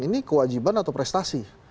ini kewajiban atau prestasi